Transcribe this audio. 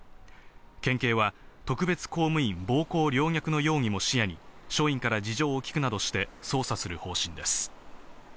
県警は特別公務員暴行陵虐の容疑も視野に署員から事情を聴くなどして捜査する方針です。